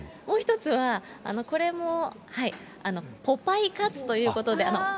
もう一つは、これも、ポパイカツということで。